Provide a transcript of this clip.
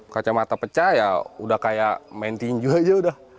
kacamata pecah ya udah kayak main tinju aja udah